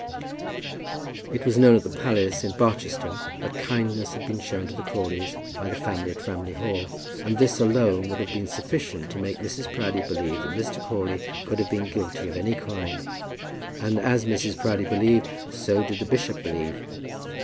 It was known at the palace in Barchester, that kindness had been shown to the Crawleys by the family at Framley Hall, and this alone would have been sufficient to make Mrs. Proudie believe that Mr. Crawley could have been guilty of any crime. And as Mrs. Proudie believed, so did the bishop believe.